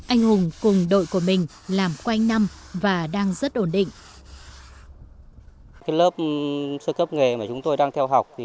anh hùng cùng đội của mình làm quanh năm và đang rất ổn định